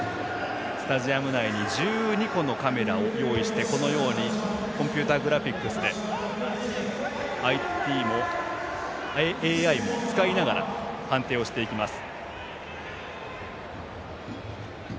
スタジアム内に１２個のカメラを用意してコンピューターグラフィックスでＡＩも使いながら判定をしていきます。